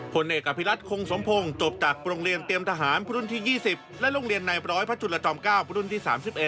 ผลเอกอภิรัตคงสมพงศ์จบจากโรงเรียนเตรียมทหารรุ่นที่๒๐และโรงเรียนในร้อยพระจุลจอม๙รุ่นที่๓๑